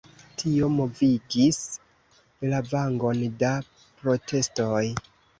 Tio movigis lavangon da protestoj.